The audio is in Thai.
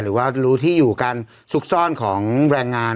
หรือว่ารู้ที่อยู่การซุกซ่อนของแรงงาน